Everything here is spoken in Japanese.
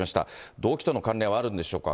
動機との関連はあるんでしょうか。